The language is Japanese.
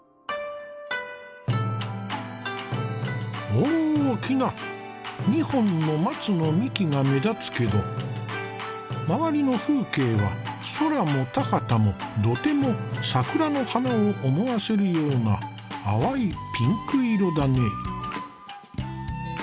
大きな２本の松の幹が目立つけど周りの風景は空も田畑も土手も桜の花を思わせるような淡いピンク色だね。